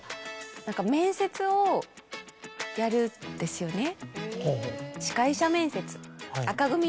何か面接をやるんですよね。